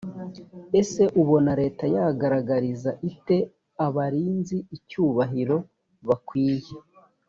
ese ubona leta yagaragariza ite abarinzi icyubahiro bakwiye?